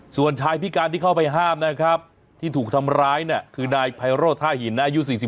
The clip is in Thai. ส่วนชายพิการที่เข้าไปห้ามนะครับที่ถูกทำร้ายเนี่ยคือนายไพโรธท่าหินอายุ๔๒